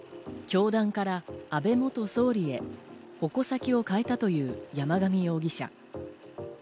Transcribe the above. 教団から安倍元総理へ矛先を変えたという山上容疑者。